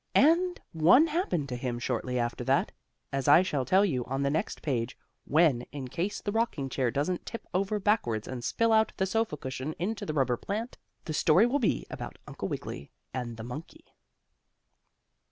And one happened to him shortly after that, as I shall tell you on the next page, when, in case the rocking chair doesn't tip over backwards and spill out the sofa cushion into the rubber plant, the story will be about Uncle Wiggily and the monkey.